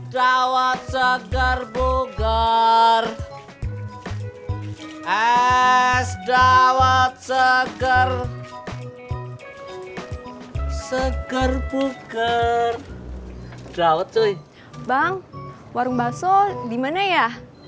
dawat seger buger es dawat seger seger buger jawet tuh bang warung baso dimana ya